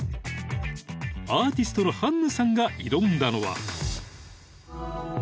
［アーティストのハンヌさんが挑んだのは］